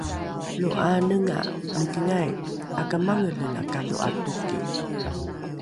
lo ’aanenga mikingai ’akamangele la kadho’a toki